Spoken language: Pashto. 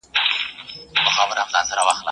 دسترګو په پردو کي دخیالونو په نړۍ کي